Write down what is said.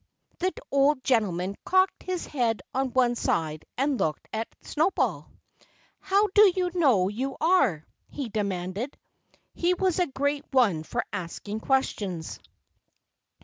The old gentleman cocked his head on one side and looked at Snowball. "How do you know you are?" he demanded. He was a great one for asking questions.